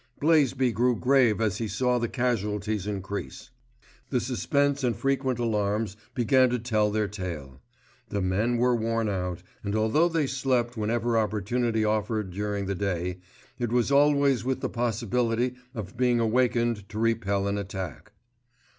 Blaisby grew grave as he saw the casualties increase. The suspense and frequent alarms began to tell their tale. The men were worn out, and although they slept whenever opportunity offered during the day, it was always with the possibility of being awakened to repel an attack.